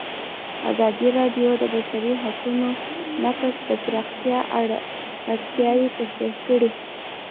ازادي راډیو د د بشري حقونو نقض د پراختیا اړتیاوې تشریح کړي.